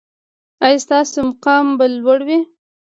ایا ستاسو مقام به لوړ وي؟